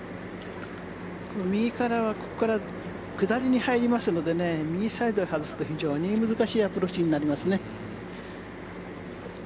右からは下りに入りますので右サイドへ外すと非常に難しいアプローチになりますね。